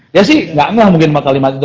dia sih enggak ngeh mungkin sama kalimat itu